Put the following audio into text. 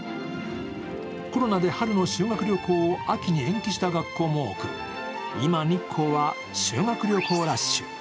コロナで春の修学旅行を秋に延期した学校も多く今、日光は修学旅行ラッシュ。